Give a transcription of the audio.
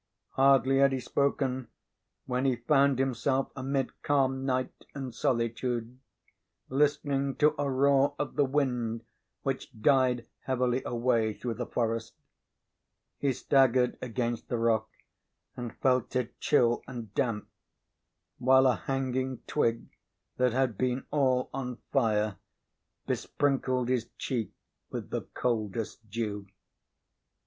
Hardly had he spoken when he found himself amid calm night and solitude, listening to a roar of the wind which died heavily away through the forest. He staggered against the rock, and felt it chill and damp; while a hanging twig, that had been all on fire, besprinkled his cheek with the coldest dew.